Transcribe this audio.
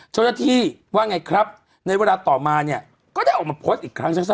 เจ้าหน้าที่ว่าไงครับในเวลาต่อมาเนี่ยก็ได้ออกมาโพสต์อีกครั้งสั้น